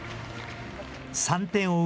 ３点を追う